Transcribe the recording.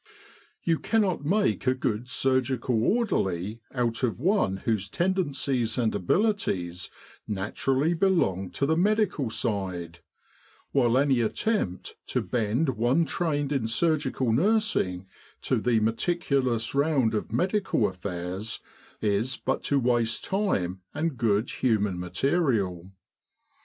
You cannot make a good surgical orderly out of one whose tendencies and abilities naturally belong to the medical side ; while any attempt to bend one trained in surgical nursing to the meticulous round of medical affairs, is but to waste time and good human material.